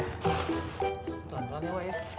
pelan pelan aja wak